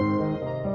kamu bisa jalan